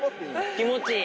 気持ちいい！